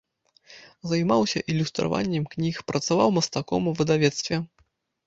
Займаўся ілюстраваннем кніг, працаваў мастаком у выдавецтве.